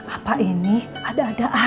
apa ini ada ada